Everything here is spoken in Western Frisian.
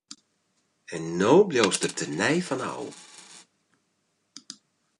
En no bliuwst der tenei fan ôf!